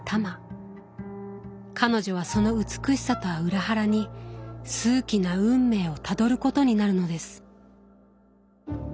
彼女はその美しさとは裏腹に数奇な運命をたどることになるのです。